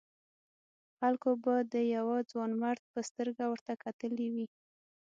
خلکو به د یوه ځوانمرد په سترګه ورته کتلي وي.